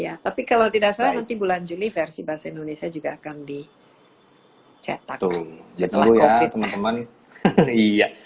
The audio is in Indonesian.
ya tapi kalau tidak salah nanti bulan juli versi bahasa indonesia juga akan dicetak setelah covid